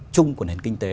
trung của nền kinh tế